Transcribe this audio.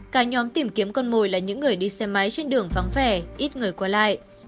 cả nhóm tìm kiếm con mồi là những người đi xe máy trên đường vắng vẻ ít người qua lại